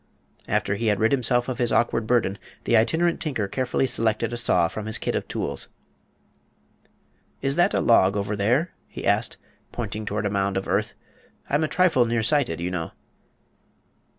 After he had rid himself of his awkward burden, the Itinerant Tinker carefully selected a saw from his kit of tools. "Is that a log over there?" he asked, pointing toward a mound of earth. "I'm a trifle nearsighted, you know."